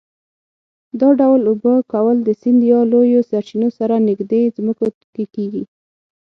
دا ډول اوبه کول د سیند یا لویو سرچینو سره نږدې ځمکو کې کېږي.